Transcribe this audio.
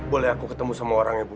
boleh aku ketemu sama orang ibu